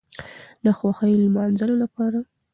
د خوښۍ نماځلو لپاره